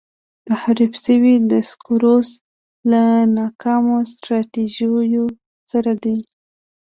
تحریف شوی دسکورس له ناکامه سټراټیژیو سره دی.